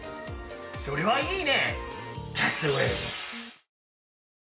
それはいいね！